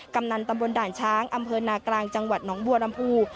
กำนันตำบลด่านช้างอำเภอนากลางจังหวัดหนองบัวลำพู